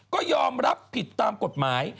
ก็ยอมรับผิดตามกฎหมาย